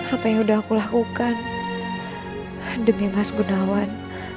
apa yang sudah aku lakukan demi mas gunawan